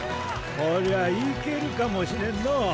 こりゃいけるかもしれんのう。